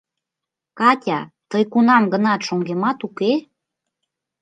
— Катя, тый кунам-гынат шоҥгемат, уке?